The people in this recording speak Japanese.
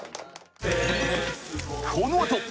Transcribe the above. このあと！